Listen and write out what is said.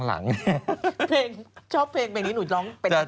เพลงชอบเพลงนี้หนูจะร้องเป็นหนักเป็น